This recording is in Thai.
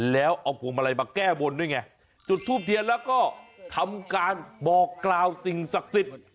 แล้วเอาพวงมาลัยมาแก้บนด้วยไงจุดทูบเทียนแล้วก็ทำการบอกกล่าวสิ่งศักดิ์สิทธิ์